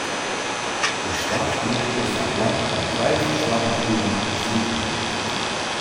De soarchgroep is fan plan om trije fersoargingshuzen te sluten.